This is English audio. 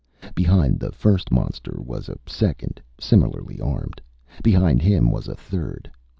Behind the first monster was a second, similarly armed. Behind him was a third.